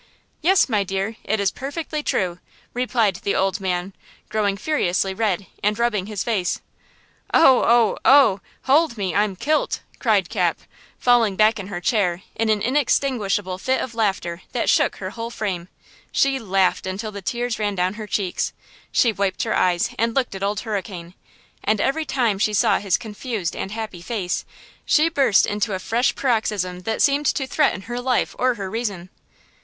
"Yes, my dear, it is perfectly true!" replied the old man growing furiously red, and rubbing his face. "Oh! oh! oh! Hold me! I'm 'kilt!'" cried Cap, falling back in her chair in an inextinguishable fit of laughter, that shook her whole frame. She laughed until the tears ran down her cheeks. She wiped her eyes and looked at Old Hurricane, and every time she saw his confused and happy face she burst into a fresh paroxysm that seemed to threaten her life or her reason.